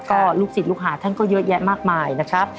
ก็ลูกศิษย์ลูกหาท่านก็เยอะแยะมากมายนะครับ